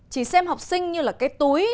chỉ xem học sinh như là cái túi